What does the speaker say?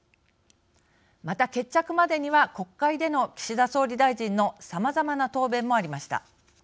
また、決着までには国会での岸田総理大臣のさまざまな答弁もありました。